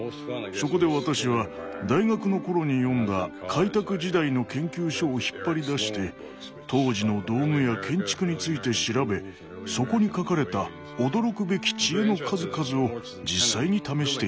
そこで私は大学の頃に読んだ開拓時代の研究書を引っ張り出して当時の道具や建築について調べそこに書かれた驚くべき知恵の数々を実際に試していったのです。